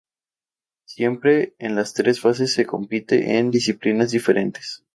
Siempre en las tres fases se compite en disciplinas diferentes.